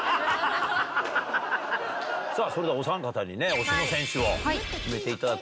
それではおさん方に推しの選手を決めていただこうと。